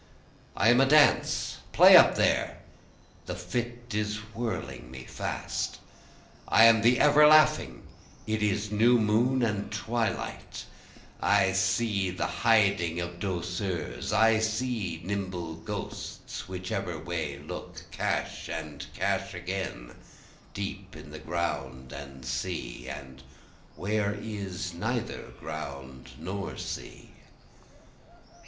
I am a dance play up there! the fit is whirling me fast! I am the ever laughing it is new moon and twilight, I see the hiding of douceurs, I see nimble ghosts whichever way look, Cache and cache again deep in the ground and sea, and where it is neither ground nor sea.